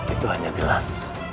itu hanya gelas